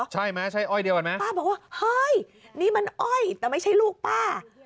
ใช่ไหมใช่อ้อยเดียวกันไหมป้าบอกว่าเฮ้ยนี่มันอ้อยแต่ไม่ใช่ลูกป้า